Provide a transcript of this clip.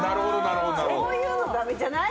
そういうのダメじゃない？